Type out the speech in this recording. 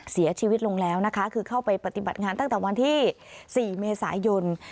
เสียชีวิตลงแล้วนะคะคือเข้าไปปฏิบัติงานตั้งแต่วันที่๔เมษายน